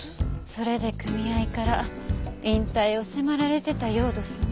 それで組合から引退を迫られてたようどすなあ。